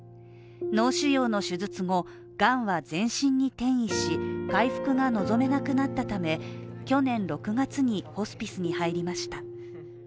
脳腫瘍の手術後、がんは全身に転移し回復が望めなくなったため去年６月にホスピスに入りました。